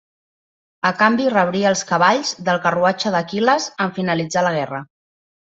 A canvi rebria els cavalls del carruatge d'Aquil·les en finalitzar la guerra.